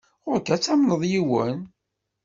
Ɣuṛ-k ad tamneḍ yiwen.